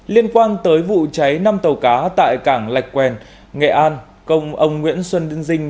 liên quan tới vụ cháy năm tàu cá tại cảng lạch quen nghệ an công ông nguyễn xuân đinh dinh